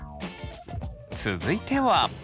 続いては。